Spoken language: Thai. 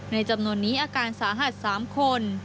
จำนวนนี้อาการสาหัส๓คน